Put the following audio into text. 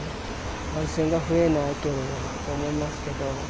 感染が増えないといいなと思いますけど。